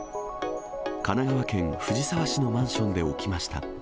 神奈川県藤沢市のマンションで起きました。